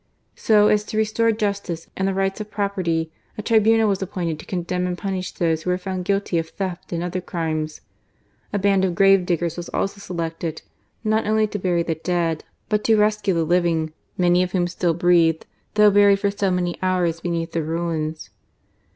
So as to restore justice and the rights of property, a tribunal was appointed to condemn and punish those who were found guilty of theft and other crimes. A band of grave diggers was also selected, not only to bury the dead, but to rescue the living, many of whom still breathed, though buried for so many hours beneath the ruins.